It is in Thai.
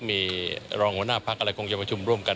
มีรองหัวหน้าพักอะไรคงจะประชุมร่วมกัน